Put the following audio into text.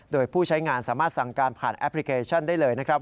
โดยผู้ใช้งานสามารถสั่งการผ่านแอปพลิเคชันได้เลยนะครับ